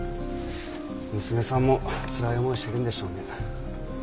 娘さんもつらい思いしてるんでしょうね。